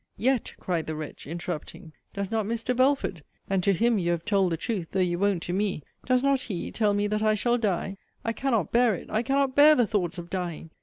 Yet, cried the wretch, interrupting, does not Mr. Belford (and to him you have told the truth, though you won't to me; does not he) tell me that I shall die? I cannot bear it! I cannot bear the thoughts of dying!